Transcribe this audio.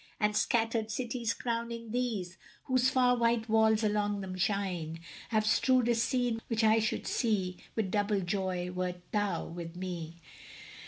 And scattered cities crowning these, Whose far white walls along them shine, Have strewed a scene which I should see With double joy, wert thou with me!